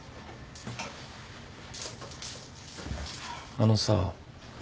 あのさ。